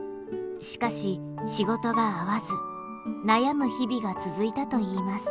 しかし仕事が合わず悩む日々が続いたといいます。